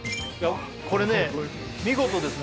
これね見事ですね